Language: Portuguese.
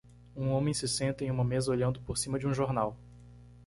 Um homem se senta em uma mesa olhando por cima de um jornal